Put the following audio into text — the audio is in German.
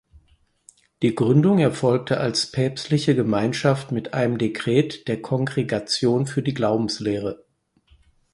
Die Gründung erfolgte als Päpstliche Gemeinschaft mit einem Dekret der Kongregation für die Glaubenslehre.